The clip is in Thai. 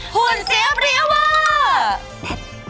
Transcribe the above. หุ่นเสียเรียเวอร์